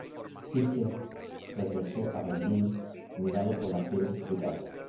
Fischer regresó a Berlín, minado por las fiebres tropicales.